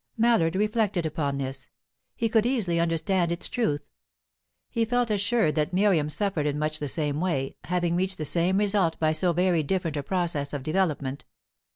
Mallard reflected upon this. He could easily understand its truth. He felt assured that Miriam suffered in much the same way, having reached the same result by so very different a process of development.